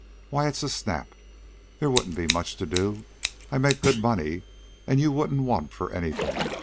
Why, it's a snap. There wouldn't be much to do. I make good money, an' you wouldn't want for anything.